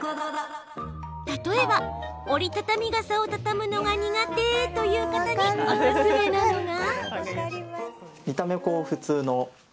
例えば、折り畳み傘を畳むのが苦手という方におすすめなのが。